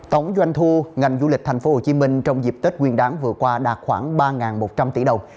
tổng doanh thu ngành du lịch tp hcm trong dịp tết nguyên đáng vừa qua đạt khoảng ba một trăm linh tỷ đồng